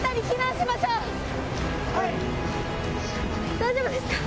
大丈夫ですか？